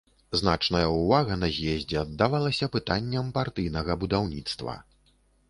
Значная ўвага на з'ездзе аддавалася пытанням партыйнага будаўніцтва.